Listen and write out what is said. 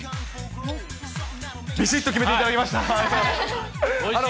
びしっと決めていただきまし